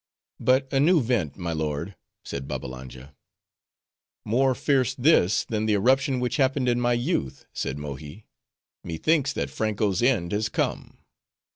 "But a new vent, my lord," said Babbalanja. "More fierce this, than the eruption which happened in my youth," said Mohi—"methinks that Franko's end has come."